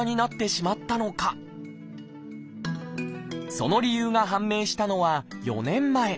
その理由が判明したのは４年前。